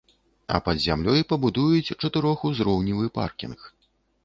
А пад зямлёй пабудуюць чатырохузроўневы паркінг.